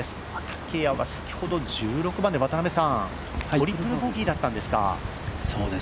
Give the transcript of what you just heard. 竹谷は先ほど、１６番でトリプルボギーだったんですか。